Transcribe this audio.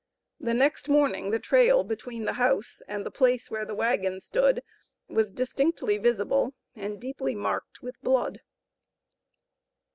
The next morning the trail between the house, and the place where the wagon stood, was distinctly visible, and deeply marked with blood.